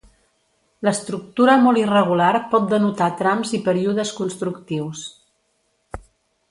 L'estructura molt irregular pot denotar trams i períodes constructius.